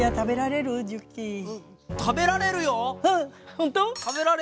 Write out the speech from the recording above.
ほんと？